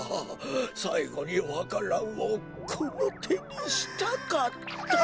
さいごにわか蘭をこのてにしたかったあっ。